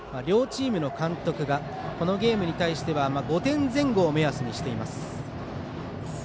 両チームの監督がこのゲームに対しては５点前後を目安にしています。